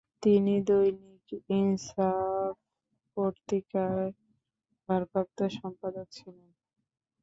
তিনি দৈনিক ইনসাফ পত্রিকার ভারপ্রাপ্ত সম্পাদক ছিলেন।